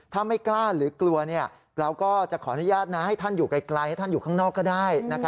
ถ้าไม่กล้าหรือกลัวเราก็จะขออนุญาตให้ท่านอยู่ไกลให้ท่านอยู่ข้างนอกก็ได้